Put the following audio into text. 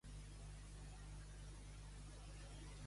Opens, i un rècord de sis Wimbledons.